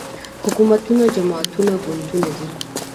حکومتونه جماعتونه ګوندونه دي